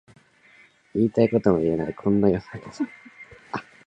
言いたいことも言えないこんな世の中